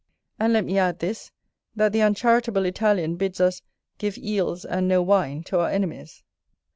And let me add this, that the uncharitable Italian bids us "give Eels and no wine to our enemies".